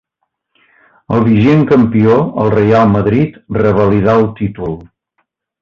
El vigent campió, el Reial Madrid, revalidà el títol.